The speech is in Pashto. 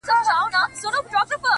تا کي ډېر زړونه بندې دې رنتبورې _